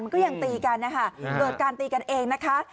มันก็ยังตีกันนะคะเกิดการตีกันเองนะคะ